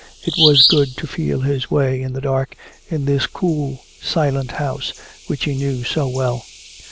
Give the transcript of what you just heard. It was good to feel his way in the dark in this cool silent house which he knew so well.